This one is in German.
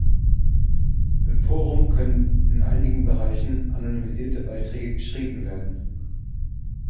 Im Forum können in einigen Bereichen anonymisierte Beiträge geschrieben werden.